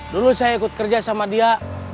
dulu saya ikut kerja sama dia